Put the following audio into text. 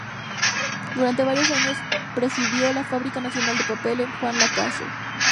Durante varios años presidió la Fábrica Nacional de Papel en Juan Lacaze.